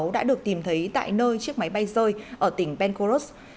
đã được tìm thấy tại nơi chiếc máy bay rơi ở tỉnh benkoros